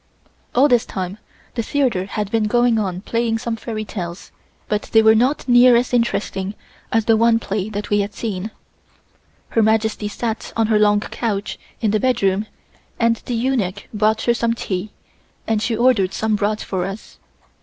All this time the theatre had been going on playing some fairy tales, but they were not near as interesting as the first play that we had seen. Her Majesty sat on her long couch in the bedroom and the eunuch brought her some tea and she ordered some brought for us.